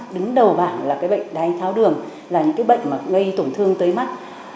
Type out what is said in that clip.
đứng đầu bảng là bệnh đai tháo đường là những bệnh gây tổn thương tới mắt